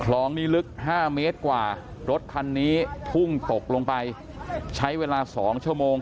คลองนี้ลึก๕เมตรกว่ารถคันนี้พุ่งตกลงไปใช้เวลา๒ชั่วโมง